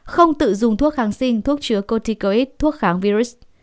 không tự dùng thuốc kháng sinh thuốc chứa cotticoid thuốc kháng virus